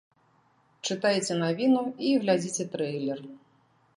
Чытайце навіну і глядзіце трэйлер!